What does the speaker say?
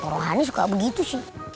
rohani suka begitu sih